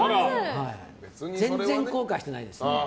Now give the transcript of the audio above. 全然後悔していないですね。